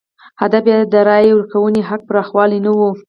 هدف یې د رایې ورکونې حق پراخوال نه و.